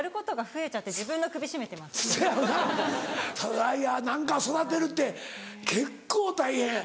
いやいや何かを育てるって結構大変。